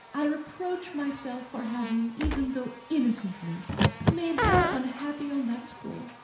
I reproach myself for having, even though innocently, made her unhappy on that score.